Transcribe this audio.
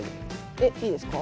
えっいいですか？